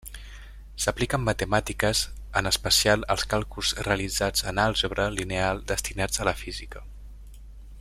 S'aplica en matemàtiques en especial als càlculs realitzats en àlgebra lineal destinats a la física.